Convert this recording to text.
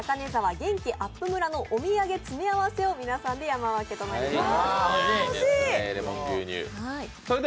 元気あっぷむらのお土産詰め合わせを皆さんで山分けとなります。